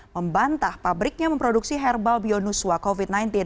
membantah pabriknya memproduksi herbal bionuswa covid sembilan belas